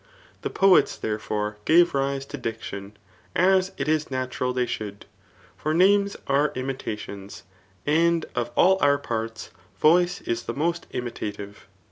The poets, there fore, gave rise to diction, as it is natural they should. For names are imitations ', and of all our parts, vcnce is the most imitative.